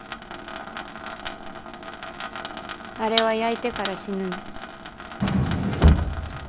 あれは焼いてから死ぬの。